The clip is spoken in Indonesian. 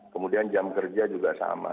kemudian jam kerja juga sama